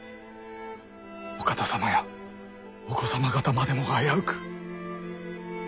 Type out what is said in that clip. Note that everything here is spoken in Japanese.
お方様やお子様方までもが危うく。